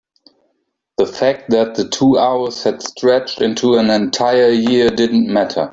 the fact that the two hours had stretched into an entire year didn't matter.